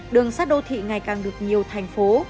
đường sát đô thị ngày càng được nhiều thành phố